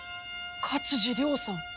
勝地涼さん！